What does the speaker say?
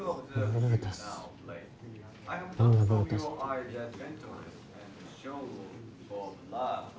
ブルータスって。